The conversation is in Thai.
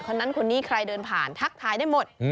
คนนั้นคนนี้ใครเดินผ่านทักทายได้หมด